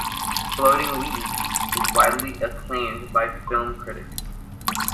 "Floating Weeds" is widely acclaimed by film critics.